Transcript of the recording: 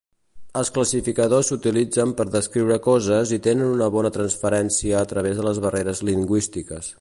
Els classificadors s'utilitzen per descriure coses i tenen una bona transferència a través de les barreres lingüístiques.